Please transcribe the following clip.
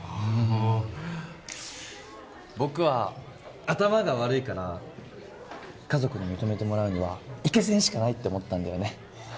僕は頭が悪いから家族に認めてもらうにはイケセンしかないって思ったんだよね。